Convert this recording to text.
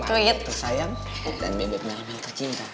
makanya tersayang dan beb mel tercinta